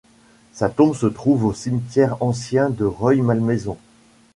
Sa tombe se trouve au cimetière ancien de Rueil-Malmaison.